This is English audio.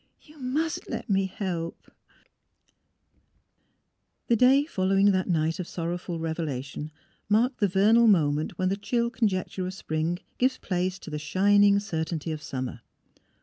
'' You must let me help !'' The day following that night of sorrowful revelation, marked the vernal moment when the chill conjecture of Spring gives place to the shin ing certainty of Summer.